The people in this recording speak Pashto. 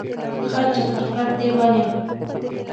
ښه چپرکټ دې ونیو.